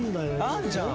あんじゃん！